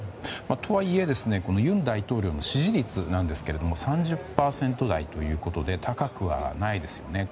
とはいえ尹大統領の支持率なんですが３０％台ということで高くはないですよね。